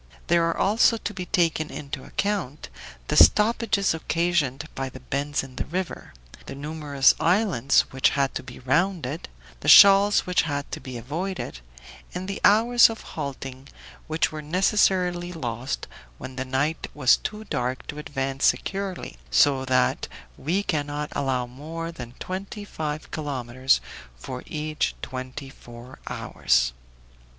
There are also to be taken into account the stoppages occasioned by the bends in the river, the numerous islands which had to be rounded, the shoals which had to be avoided, and the hours of halting, which were necessarily lost when the night was too dark to advance securely, so that we cannot allow more than twenty five kilometers for each twenty four hours.